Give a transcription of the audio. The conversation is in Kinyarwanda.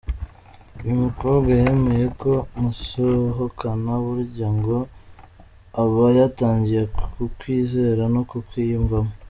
Iyo umukobwa yemeye ko musohokana burya ngo aba yatangiye kukwizera no kukwiyumvamo.